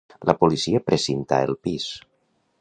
La policia precintà el pis.